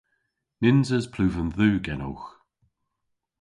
Nyns eus pluven dhu genowgh.